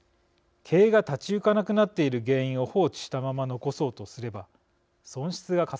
経営が立ち行かなくなっている原因を放置したまま残そうとすれば損失がかさむだけです。